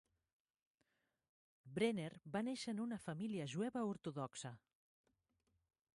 Brenner va néixer en una família jueva ortodoxa.